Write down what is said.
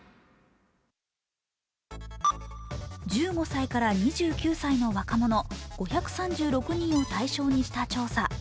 １５歳から２９歳の若者５３６人を対象にした調査。